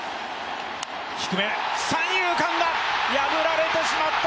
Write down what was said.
低め、三遊間だ、破られてしまった。